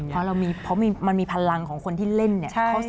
เพราะมันมีพลังของคนที่เล่นเนี่ย